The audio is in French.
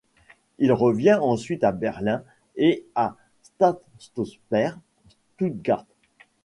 Il revient ensuite à Berlin et au Staatsoper Stuttgart.